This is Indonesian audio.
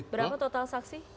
berapa total saksi